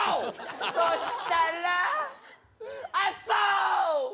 そしたら、あっ、そう。